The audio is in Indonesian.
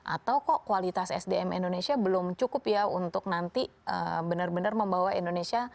atau kok kualitas sdm indonesia belum cukup ya untuk nanti benar benar membawa indonesia